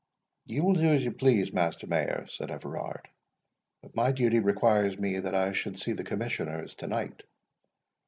"You will do as you please, Master Mayor," said Everard, "but my duty requires me that I should see the Commissioners to night."